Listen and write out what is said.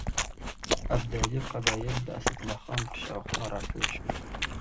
ابدالي قبایل د اسدالله خان پر شاوخوا راټول شول.